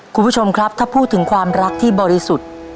คุณผู้ชมครับถ้าพูดถึงความรักที่บริสุทธิ์